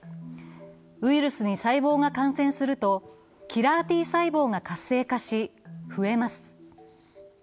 ウイルスに細胞が感染するとキラーＴ細胞が活性化し、増えます。